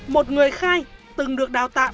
một người khai từng được đào tạm